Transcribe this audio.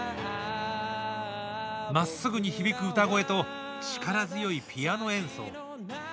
まっすぐに響く歌声と力強いピアノ演奏。